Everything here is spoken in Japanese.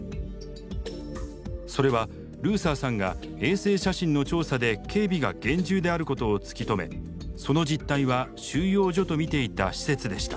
それはルーサーさんが衛星写真の調査で警備が厳重であることを突き止めその実態は収容所と見ていた施設でした。